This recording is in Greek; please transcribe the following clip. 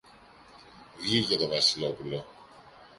Βγήκε το Βασιλόπουλο.